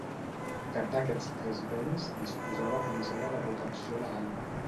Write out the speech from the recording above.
Cap d'aquests tres béns disposava fins ara de protecció legal.